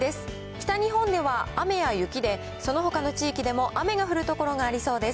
北日本では雨や雪で、そのほかの地域でも雨が降る所がありそうです。